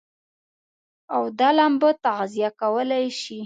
او دا لمبه تغذيه کولای شي.